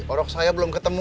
orok saya belum ketemu